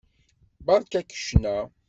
Beṛka-k ccna.